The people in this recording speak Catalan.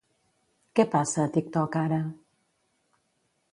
Què passa a TikTok ara?